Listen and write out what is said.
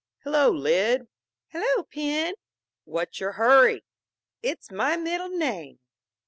"Hello, Lyd!" "Hello, Pen!" "What's your hurry?" "It's my middle name."